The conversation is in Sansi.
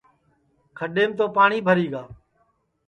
کھڈؔیم تو پاٹؔی بھری گا